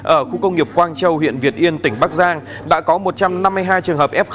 ở khu công nghiệp quang châu huyện việt yên tỉnh bắc giang đã có một trăm năm mươi hai trường hợp f một